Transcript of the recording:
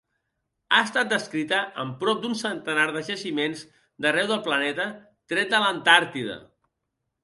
Ha estat descrita en prop d'un centenar de jaciments d'arreu del planeta, tret de l'Antàrtida.